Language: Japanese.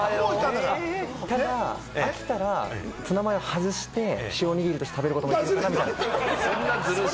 ただ飽きたらツナマヨを外して塩おにぎりとして食べることもできるなって。